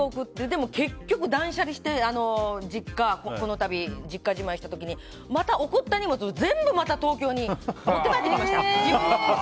でも結局、断捨離してこの度実家じまいした時にまた送った荷物を全部、また東京に持って帰ってきました。